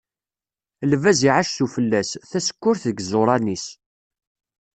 Lbaz iɛac sufella-s, tasekkurt deg yiẓuran-is.